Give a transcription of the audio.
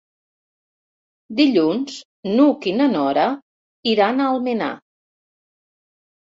Dilluns n'Hug i na Nora iran a Almenar.